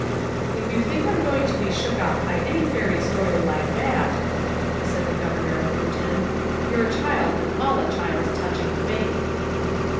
"If you think I'm going to be shook off by any fairy story like that," said the mayor of Reuton "you're a child with all a child's touching faith."